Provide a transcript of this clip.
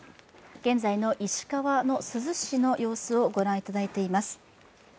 現在の石川・珠洲市の様子をご覧いただいています。